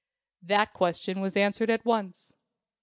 That question was answered at once.